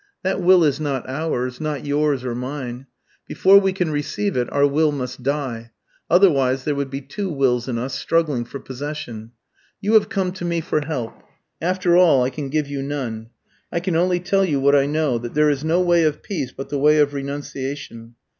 That will is not ours not yours or mine. Before we can receive it our will must die; otherwise there would be two wills in us struggling for possession. You have come to me for help after all I can give you none. I can only tell you what I know that there is no way of peace but the way of renunciation.